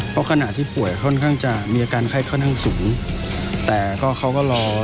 เพราะขณะที่ป่วยค่อนข้างจะมีอาการไข้ค่อนข้างสูงแต่ก็เขาก็รอ